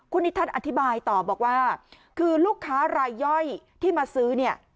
คุณนิทัศน์อธิบายต่อบอกว่าคือลูกค้ารายย่อยที่มาซื้อเนี่ย